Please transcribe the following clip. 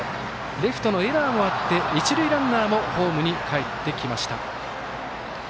レフトのエラーもあって一塁ランナーもホームにかえってきました。